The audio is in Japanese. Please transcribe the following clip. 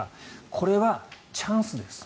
これはチャンスです